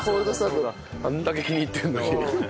あれだけ気に入ってるのに。